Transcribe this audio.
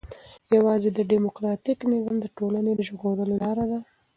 يوازي ډيموکراټيک نظام د ټولني د ژغورلو لار ده.